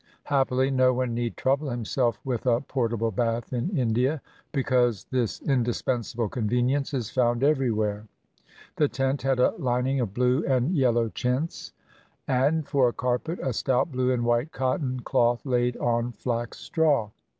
Happily no one need trouble himself with a portable bath in India, because this indispensable convenience is found everywhere The tent had a lining of blue and yellow chintz, and for a carpet a stout blue and white cotton cloth laid on flax straw.